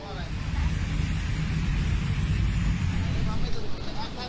อุ๊ยรับทราบ